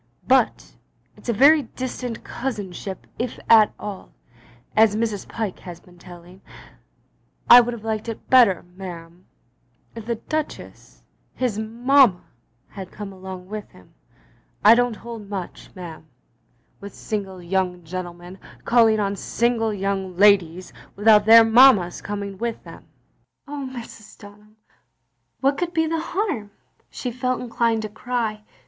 But it's a very distant cousinship if at all, as Mrs. Pyke has been telling. I would have liked it better, ma'am, if the Duchess, his mamma, had come along with him. I don't hold much, ma'am, with single young gentlemen calling on single young ladies without their mam* jmas coming with them." " Oh, Mrs. Dtmham, what could be the harm? " said Jeanne. She felt inclined to cry.